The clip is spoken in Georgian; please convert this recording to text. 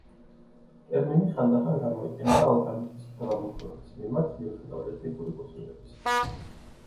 ტერმინი ხანდახან გამოიყენება ალბანეთის ყველა მოქალაქის მიმართ მიუხედავად ეთნიკური კუთვნილებისა.